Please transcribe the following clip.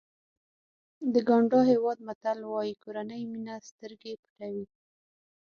د ګاڼډا هېواد متل وایي کورنۍ مینه سترګې پټوي.